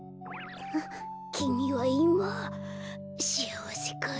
きみはいましあわせかい？